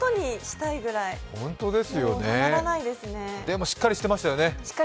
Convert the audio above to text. でもしっかりしてますよね。